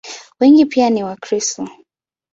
Wengi pia ni Wakristo.